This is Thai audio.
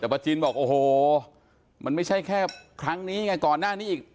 แต่ป้าจินบอกโอ้โหมันไม่ใช่แค่ครั้งนี้ไงก่อนหน้านี้อีก